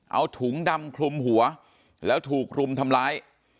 เอาถุงดำคลุมหัวแล้วถูกรุมทำร้าย